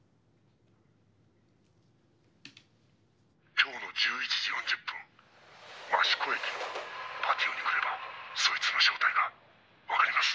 「今日の１１時４０分益子駅のパティオに来ればそいつの正体がわかります」